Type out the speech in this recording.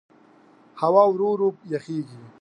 هوا ورو ورو یخېږي.